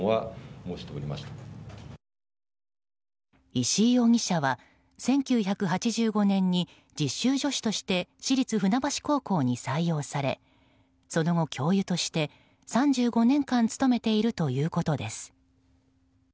石井容疑者は１９８５年に実習助手として市立船橋高校に採用されその後教諭として、３５年間勤めているということです。